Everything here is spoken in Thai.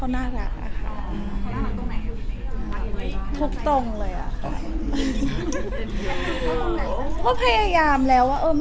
ในรักษ์